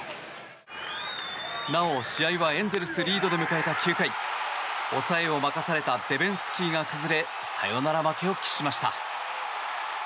なお試合はエンゼルスリードで迎えた９回抑えを任されたデベンスキーが崩れサヨナラ負けを喫しました。